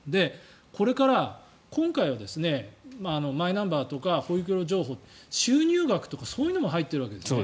これから今回はマイナンバーとか保育料情報収入額とかそういうのも入ってるわけですよね。